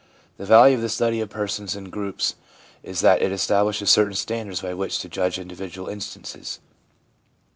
The value of the study of persons in groups is that it establishes certain standards by which to judge individual instances.